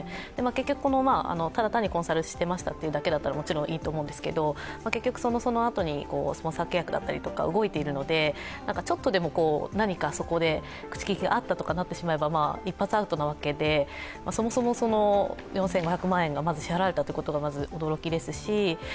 結局、ただ単にコンサルしてましただったらいいんですけどもちろんいいと思うんですけど結局そのあとにスポンサー契約とか動いているので、ちょっとでも何かそこで口利きがあったとかなってしまえば一発アウトなわけでそもそも４５００万円が支払われたことがまず驚きですし。